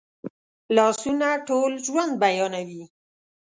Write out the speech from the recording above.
لاسونه ټول ژوند بیانوي